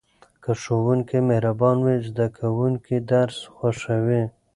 که ښوونکی مهربان وي زده کوونکي درس خوښوي.